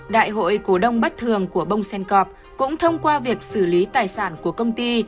đại hội cổ đông bất thường của bông sen corp cũng thông qua việc xử lý tài sản của công ty